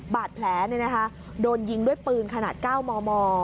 บาดแผลเนี่ยนะคะโดนยิงด้วยปืนขนาด๙มม